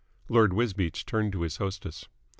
Lord Wisbeach turned to his hostess.